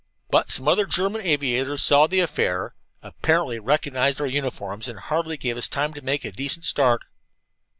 "But some other German aviators saw the affair, apparently recognized our uniforms, and hardly gave us time to make a decent start.